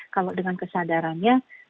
kalau dengan kesadarannya